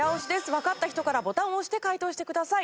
わかった人からボタンを押して解答してください。